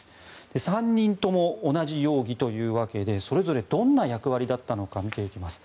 ３人とも同じ容疑というわけでそれぞれどんな役割だったのか見ていきます。